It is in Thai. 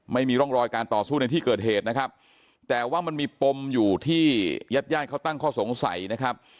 ไม่มีร่องรอยการต่อสู้ในที่เกิดเหตุนะครับแต่ว่ามันมีปมอยู่ที่ญาติญาติเขาตั้งข้อสงสัยนะครับ